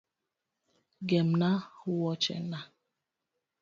Gemna wuochena.